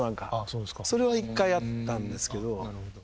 それは１回あったんですけど。